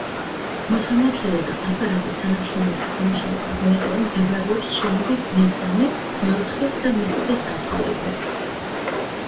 მოსამართლეთა და აპარატის თანამშრომელთა სამუშაო კაბინეტები მდებარეობს შენობის მესამე, მეოთხე და მეხუთე სართულებზე.